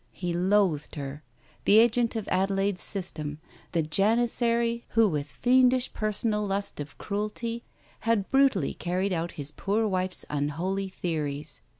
He loathed her, the agent of Adelaide's system, the janissary who with fiendish personal lust of cruelty had brutally carried out his poor wife's unholy theories.